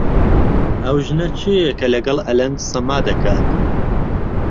ئەو ژنە کێیە کە لەگەڵ ئەلەند سەما دەکات؟